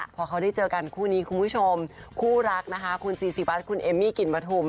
พอเขาได้เจอกันคู่นี้คุณผู้ชมคู่รักนะคะคุณซีซีบัสคุณเอมมี่กลิ่นปฐุม